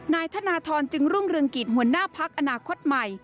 นายธนทรจึงรุ่งเรืองกิจหัวหน้าพักอนาคตใหม่